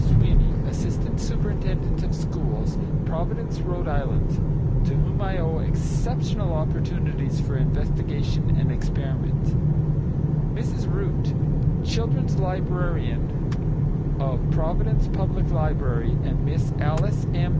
Sweeney, assistant superintendent of schools, Providence, R.I., to whom I owe exceptional opportunities for investigation and experiment; Mrs Root, children's librarian of Providence Public Library, and Miss Alice M.